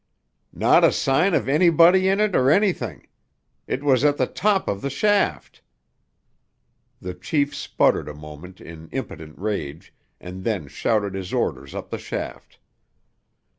"Not a sign of anybody in it or anything. It was at the top of the shaft." The chief sputtered a moment in impotent rage, and then shouted his orders up the shaft.